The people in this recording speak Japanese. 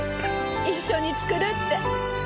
一緒に作るって。